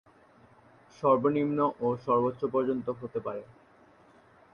সর্বনিম্ন ও সর্বোচ্চ পর্যন্ত হতে পারে।